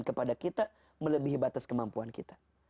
kepada kita melebihi batas kemampuan kita